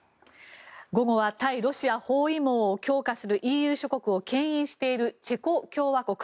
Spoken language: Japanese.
午後は対ロシア包囲網を強化するＥＵ諸国をけん引しているチェコ共和国。